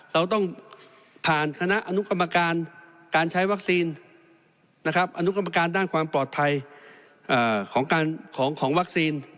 เราต้องผ่านคณะอนุกรรมการการใช้วัคซีนอนุกรรมการด้านความปลอดภัยของวัคซีน